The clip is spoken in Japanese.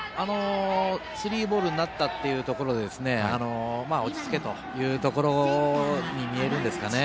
スリーボールになったというところで落ち着けというところに見えるんですかね。